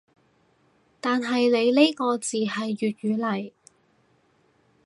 但係你呢個字係粵語嚟